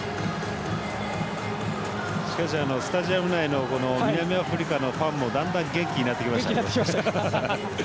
しかし、スタジアム内の南アフリカのファンもだんだん元気になってきましたね。